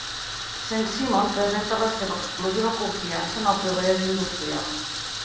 Saint-Simon presenta la seva exclusiva confiança en el progrés industrial.